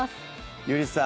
ゆりさん